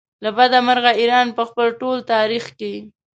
له بده مرغه ایران په خپل ټول تاریخ کې.